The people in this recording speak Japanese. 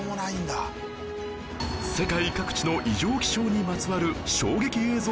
世界各地の異常気象にまつわるすごいぞ。